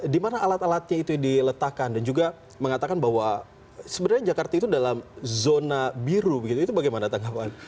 di mana alat alatnya itu diletakkan dan juga mengatakan bahwa sebenarnya jakarta itu dalam zona biru begitu itu bagaimana tanggapan